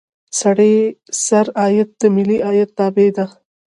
سړي سر عاید د ملي عاید تابع ده.